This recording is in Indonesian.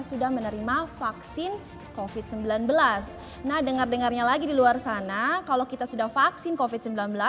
sudah menerima vaksin kofit sembilan belas nah dengar dengarnya lagi di luar sana kalau kita sudah vaksin kofit